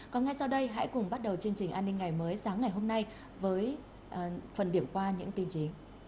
còn ngay sau đây hãy cùng bắt đầu chương trình an ninh ngày mới sáng ngày hôm nay với phần điểm qua những tin trí